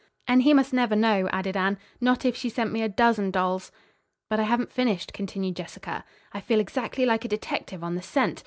"And he must never know," added Anne, "not if she sent me a dozen dolls." "But I haven't finished," continued Jessica. "I feel exactly like a detective on the scent.